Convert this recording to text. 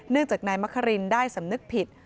จากนายมะครินได้สำนึกผิด